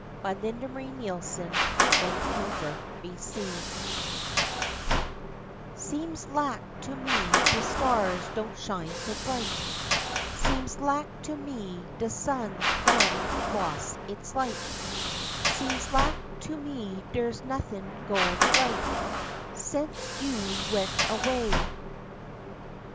JINGLES & CROONS SENCE YOU WENT AWAY Seems lak to me de stars don't shine so bright, Seems lak to me de sun done loss his light, Seems lak to me der's nothin' goin' right, Sence you went away.